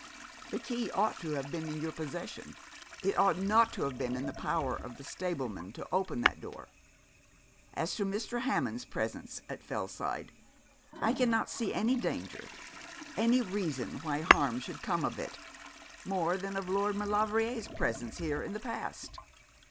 The key ought to have been in your possession. It ought not to have been in the power of the stableman to open that door. As to Mr. Hammond's presence at Fellside, I cannot see any danger any reason why harm should come of it, more than of Lord Maulevrier's presence here in the past.'